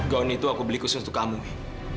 goni itu aku beli khusus untuk kamu wi